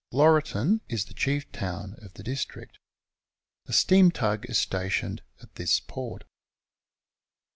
Laurieton is the chief town of the district. A steam tug is stationed at this port.